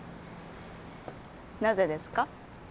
なぜですか？